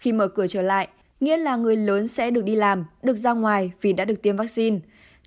khi mở cửa trở lại nghĩa là người lớn sẽ được đi làm được ra ngoài vì đã được tiêm vaccine